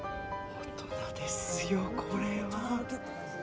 大人ですよ、これは。